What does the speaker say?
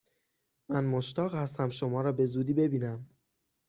من مشتاق هستم شما را به زودی ببینم!